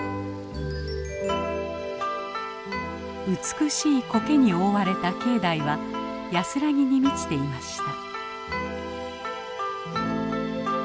美しい苔に覆われた境内は安らぎに満ちていました。